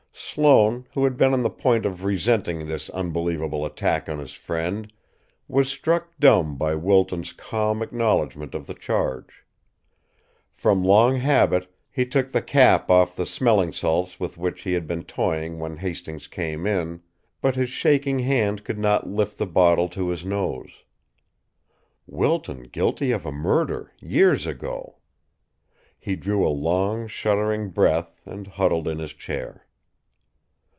Sloane, who had been on the point of resenting this unbelievable attack on his friend, was struck dumb by Wilton's calm acknowledgment of the charge. From long habit, he took the cap off the smelling salts with which he had been toying when Hastings came in, but his shaking hand could not lift the bottle to his nose. Wilton guilty of a murder, years ago! He drew a long, shuddering breath and huddled in his chair.